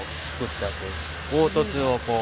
凹凸をこう。